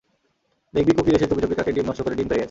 দেখবি, কোকিল এসে চুপিচুপি কাকের ডিম নষ্ট করে ডিম পেড়ে গেছে।